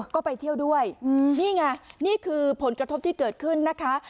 ก็ไปเที่ยวด้วยนี่ไงนี่คือผลกระทบที่เกิดขึ้นนะคะ